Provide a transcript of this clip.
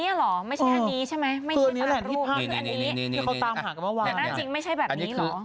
แต่ว่าตรงนี้มันอันจริงไม่ใช่แบบนี้เหรอ